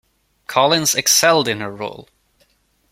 Collins excelled in her role.